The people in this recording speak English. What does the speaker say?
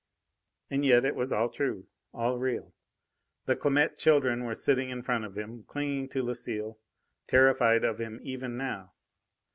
And yet it was all true. All real. The Clamette children were sitting in front of him, clinging to Lucile, terrified of him even now.